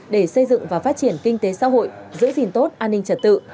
để xây dựng và phát triển kinh tế xã hội giữ gìn tốt an ninh trật tự